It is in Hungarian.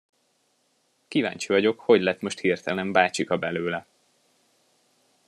Kíváncsi vagyok, hogy lett most hirtelen bácsika belőle.